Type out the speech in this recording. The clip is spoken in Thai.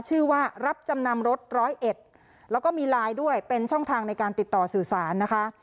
ชื่อว่ารับจำนำรถร้อยเอ็ดแล้วก็มีไลน์ด้วยเป็นช่องทางในการติดต่อสื่อสารนะคะ